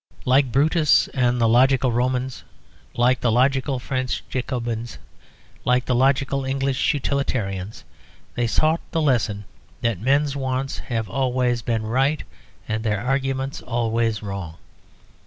Like Brutus and the logical Romans, like the logical French Jacobins, like the logical English utilitarians, they taught the lesson that men's wants have always been right and their arguments always wrong.